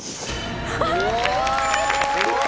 あすごい！